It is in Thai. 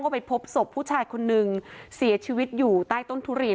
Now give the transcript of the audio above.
ไปพบศพผู้ชายคนนึงเสียชีวิตอยู่ใต้ต้นทุเรียน